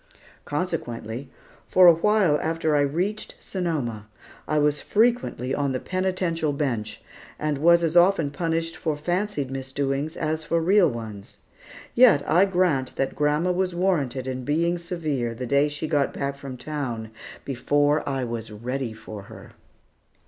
Consequently, for a while after I reached Sonoma, I was frequently on the penitential bench, and was as often punished for fancied misdoings as for real ones. Yet, I grant that grandma was warranted in being severe the day that she got back from town before I was ready for her.